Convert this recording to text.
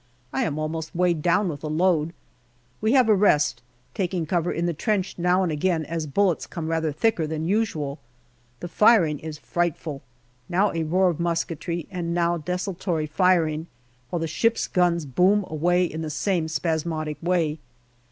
I am almost weighed down with the load. We have a rest, taking cover in the trench now and again as bullets come rather thicker than usual. The firing is frightful now a roar of musketry, and now desultory firing while the ships' guns boom away in the same spasmodic way.